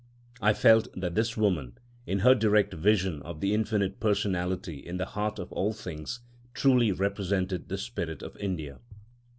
I felt that this woman, in her direct vision of the infinite personality in the heart of all things, truly represented the spirit of India.